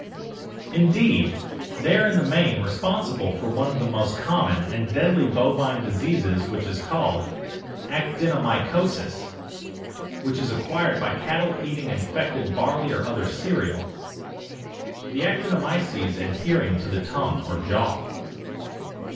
Indeed they are in the main responsible for one of the most common and deadly bovine diseases which is called actinomycosis, and is acquired by cattle eating infected barley or other cereal, the actinomyces adhering to the tongue or jaw.